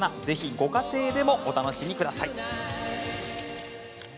ぜひご家庭でもお楽しみください。